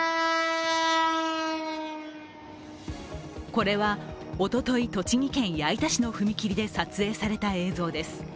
これはおととい、栃木県矢板市の踏切で撮影された映像です。